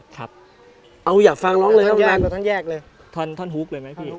ครับเอาอยากฟังร้องเลยต้องแยกเลยท่อนท่อนฮุกเลยไหมพี่